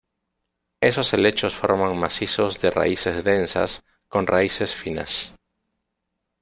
Esos helechos forman macizos de raíces densas, con raíces finas.